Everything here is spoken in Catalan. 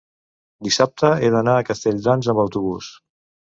dissabte he d'anar a Castelldans amb autobús.